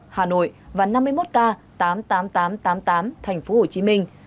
hà nội và năm mươi một k tám mươi tám nghìn tám trăm tám mươi tám thành phố hồ chí minh